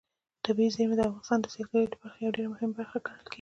طبیعي زیرمې د افغانستان د سیلګرۍ د برخې یوه ډېره مهمه برخه ګڼل کېږي.